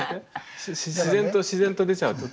自然と自然と出ちゃうってこと？